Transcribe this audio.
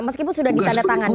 meskipun sudah ditandatangani